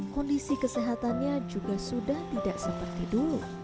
kondisi kesehatannya juga sudah tidak seperti dulu